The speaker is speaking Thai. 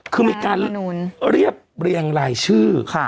คือมีการเรียบเรียงรายชื่อ